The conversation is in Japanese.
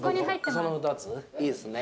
その２ついいですね。